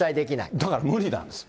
だから無理なんですって。